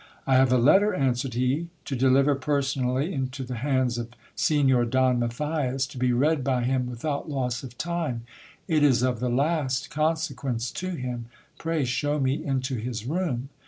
I have a letter, answered he, to deliver personally into the hands of Signor Don Matthias, to be read by him without loss of time ; it is of the last consequence to him — pray show me into his room.